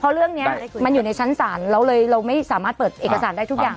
เพราะเรื่องนี้มันอยู่ในชั้นศาลเราเลยเราไม่สามารถเปิดเอกสารได้ทุกอย่าง